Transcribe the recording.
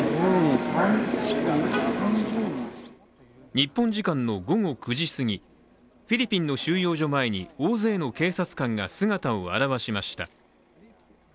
日本時間の午後９時すぎ、フィリピンの収容所前に大勢の警察官が姿を現しました。